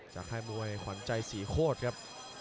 จะให้มวยขวัญใจสี่โคดครับ